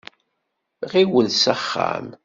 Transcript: Ɣiwel s axxam.